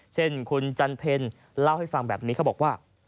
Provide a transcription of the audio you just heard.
เช่นคุณจันเพลเล่าให้ฟังแบบนี้เขาบอกว่า